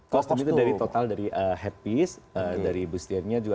kostum itu dari total dari headpiece dari bustirnya juga